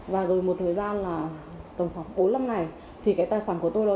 và rồi một thời gian là tầm khoảng bốn năm ngày thì cái tài khoản của tôi nó nảy lên là một tỷ sáu